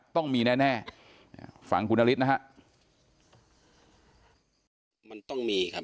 ต้องมีแน่แน่อ่าฟังคุณนฤทธินะฮะมันต้องมีครับ